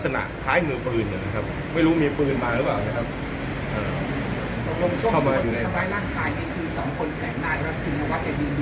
ปัจกายล่างทายในที่